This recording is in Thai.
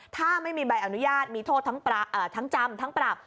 ถ้าไม่มีใบอนุญาตมีโทษทั้งจำทั้งปรับ